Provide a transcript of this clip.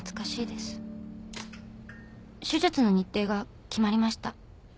手術の日程が決まりました。